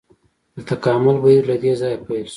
د تکامل بهیر له دې ځایه پیل شو.